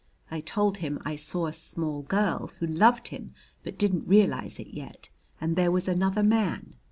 I told him I saw a small girl, who loved him but didn't realize it yet, and there was another man.